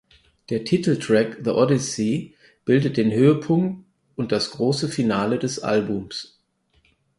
Der Titeltrack "The Odyssey" bildet den Höhepunkt und das große Finale des Albums.